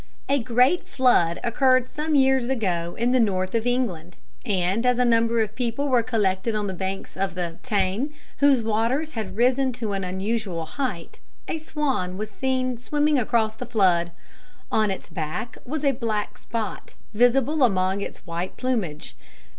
A great flood occurred some years ago in the north of England; and as a number of people were collected on the banks of the Tyne, whose waters had risen to an unusual height, a swan was seen swimming across the flood. On its back was a black spot, visible among its white plumage.